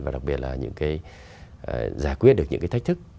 và đặc biệt là những cái giải quyết được những cái thách thức